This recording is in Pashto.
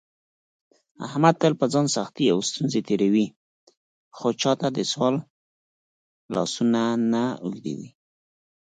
احمد تل په ځان سختې او ستونزې تېروي، خو چاته دسوال لاسونه نه اوږدوي.